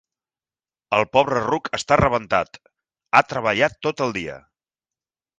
El pobre ruc està rebentat: ha treballat tot el dia.